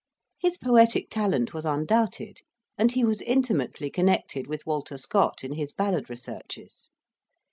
His poetic talent was undoubted, and he was intimately connected with Walter Scott in his ballad researches.